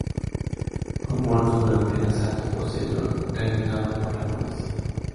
Fue muerto durante el asalto posterior realizado por la policía.